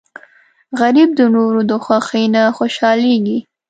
غریب د نورو د خوښۍ نه خوشحالېږي